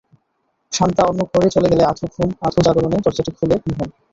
শান্তা অন্য ঘরে চলে গেলে আধো ঘুম, আধো জাগরণে দরজাটি খোলে মোহন।